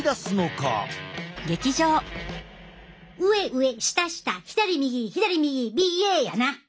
上上下下左右左右ＢＡやな。